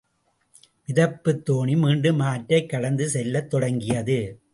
மிதப்புத் தோணி மீண்டும் ஆற்றைக் கடந்து செல்லத் தொடங்கியது.